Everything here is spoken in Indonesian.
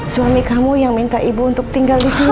suami kamu yang minta ibu untuk tinggal disini